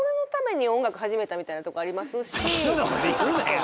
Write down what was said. みたいなとこありますし。